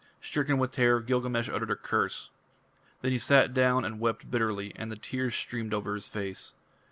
Stricken with terror, Gilgamesh uttered a curse. Then he sat down and wept bitterly, and the tears streamed over his face.